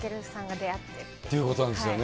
ということなんですよね。